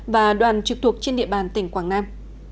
và đoàn trực thuộc trên địa bàn tỉnh quảng nam